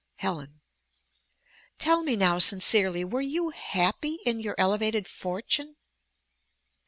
Helen Tell me now sincerely, were you happy in your elevated fortune?